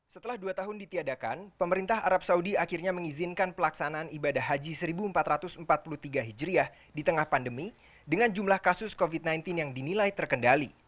setelah dua tahun ditiadakan pemerintah arab saudi akhirnya mengizinkan pelaksanaan ibadah haji seribu empat ratus empat puluh tiga hijriah di tengah pandemi dengan jumlah kasus covid sembilan belas yang dinilai terkendali